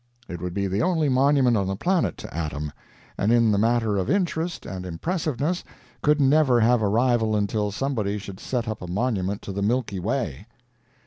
It would be the only monument on the planet to Adam, and in the matter of interest and impressiveness could never have a rival until somebody should set up a monument to the Milky Way.